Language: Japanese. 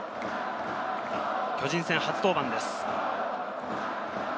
巨人戦初登板です。